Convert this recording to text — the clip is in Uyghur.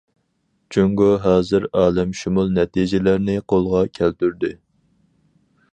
جۇڭگو ھازىر ئالەمشۇمۇل نەتىجىلەرنى قولغا كەلتۈردى.